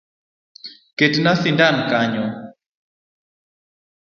Ketna sindan kanyo